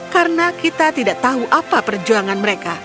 karena kita tidak tahu apa perjuangan mereka